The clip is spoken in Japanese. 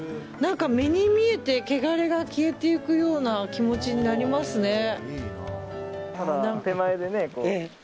何か、目に見えてけがれが消えていくような気持ちになりますね。